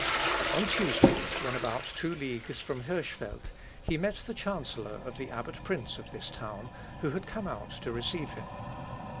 On Tuesday, when about two leagues from Hirschfeld, he met the chancellor of the abbot prince of this town, who had come out to receive him.